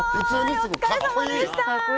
お疲れさまでした。